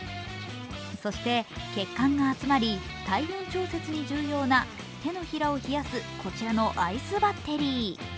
そして血管が集まり、体温調節に重要な手のひらを冷やす、こちらのアイスバッテリー。